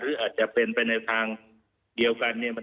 หรืออาจจะเป็นไปในทางเดียวกันเนี่ย